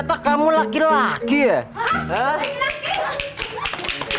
loh mah will gpl dua